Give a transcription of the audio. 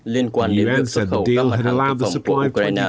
liên quan đến việc xuất khẩu các mặt hàng thực phẩm của ukraine